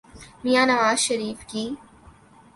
میاں نواز شریف کی۔